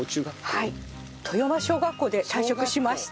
はい登米小学校で退職しました。